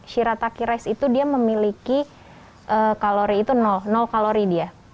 shirataki rice itu dia memiliki kalori itu nol nol kalori dia